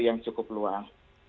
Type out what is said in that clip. yang cukup luang